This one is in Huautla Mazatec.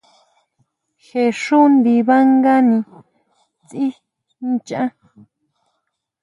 Je xú ndibangani tsí nchá.